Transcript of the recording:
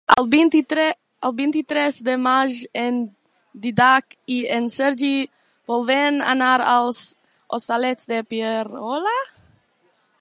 El vint-i-tres de maig en Dídac i en Sergi volen anar als Hostalets de Pierola.